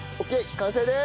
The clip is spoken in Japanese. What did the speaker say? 完成です！